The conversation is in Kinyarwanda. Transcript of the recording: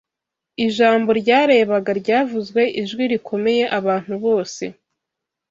Ijambo ryarebaga ryavuzwe, ijwi rikomeye abantu bose